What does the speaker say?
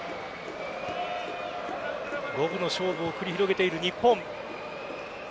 五分の勝負を繰り広げている日本。